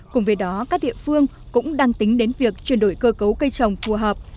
cùng với đó các địa phương cũng đang tính đến việc chuyển đổi cơ cấu cây trồng phù hợp